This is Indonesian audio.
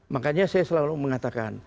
makanya saya selalu mengatakan